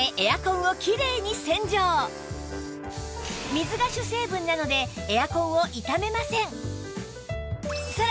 水が主成分なのでエアコンを傷めません